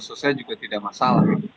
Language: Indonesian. seharusnya juga tidak masalah